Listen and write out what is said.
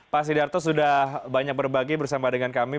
pak sidarto sudah banyak berbagi bersama dengan kami